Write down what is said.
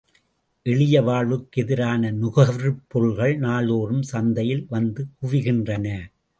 எளிய வாழ்வுக்கு எதிரான நுகர்வுப் பொருள்கள் நாள்தோறும் சந்தையில் வந்து குவிகின்றன.